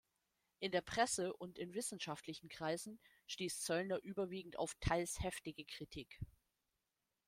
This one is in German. In der Presse und in wissenschaftlichen Kreisen stieß Zöllner überwiegend auf teils heftige Kritik.